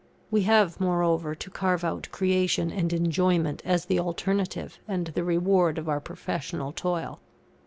We have, moreover, to carve out recreation and enjoyment as the alternative and the reward of our professional toil.